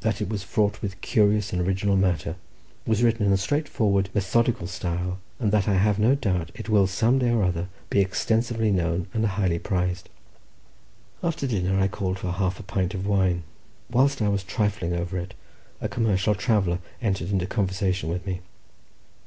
That it was fraught with curious and original matter, was written in a straightforward, methodical style, and that I have no doubt it will some day or other be extensively known and highly prized. After dinner I called for half a pint of wine. Whilst I was trifling over it, a commercial traveller entered into conversation with me.